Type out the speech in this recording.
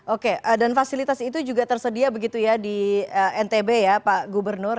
oke dan fasilitas itu juga tersedia begitu ya di ntb ya pak gubernur